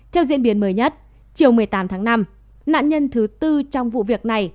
theo diễn biến mới nhất chiều một mươi tám tháng năm nạn nhân thứ tư trong vụ việc này